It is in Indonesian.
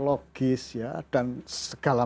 logis ya dan segala